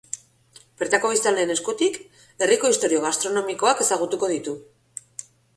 Bertako biztanleen eskutik, herriko istorio gastronomikoak ezagutuko ditu.